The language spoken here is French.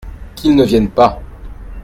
Qu’ils ne viennent pas.